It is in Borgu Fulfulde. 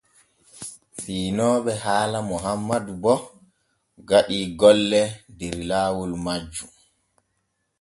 Fiinooɓe haala Mohammadu bo gaɗii golle der laawol majjum.